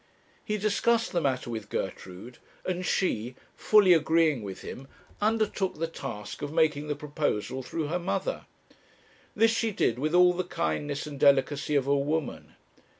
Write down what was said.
He discussed the matter with Gertrude, and she, fully agreeing with him, undertook the task of making the proposal through her mother. This she did with all the kindness and delicacy of a woman.